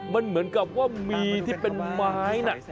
มันเหมือนกับว่ามีที่เป็นไม้น่ะ